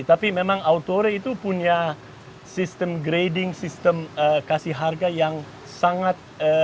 tapi memang autore itu punya sistem grading sistem kasih harga yang sangat